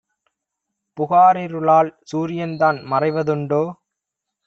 புகாரிருளால் சூரியன்தான் மறைவ துண்டோ?